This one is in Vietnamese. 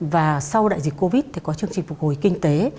và sau đại dịch covid thì có chương trình phục hồi kinh tế